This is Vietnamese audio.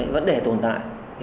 vẫn để tồn tại